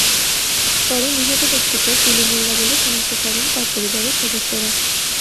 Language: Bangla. পরে নিহত ব্যক্তিকে টুলু মোল্লা বলে শনাক্ত করেন তাঁর পরিবারের সদস্যরা।